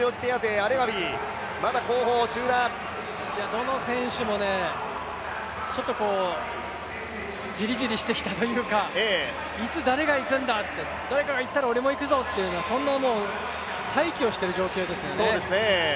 どの選手もちょっとじりじりしてきたというか、いつ誰が行くんだ、誰かが行ったら俺も行くぞとそんな待機をしている状況ですね。